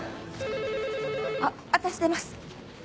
あっ私出ます。